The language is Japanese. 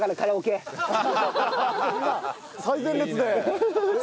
最前列で。